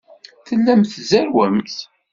Tellamt tzerrwemt.